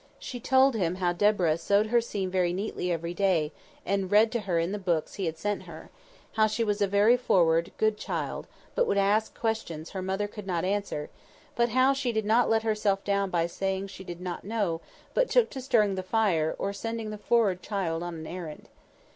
She told him how Deborah sewed her seam very neatly every day, and read to her in the books he had set her; how she was a very "forrard," good child, but would ask questions her mother could not answer, but how she did not let herself down by saying she did not know, but took to stirring the fire, or sending the "forrard" child on an errand.